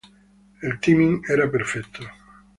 El "timing" era perfecto.